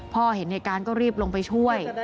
พ่อเห็นในการก็รีบลงไปช่วย